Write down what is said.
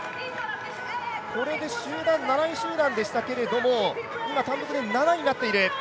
これで７位集団でしたけれども、今、単独で７位になっている。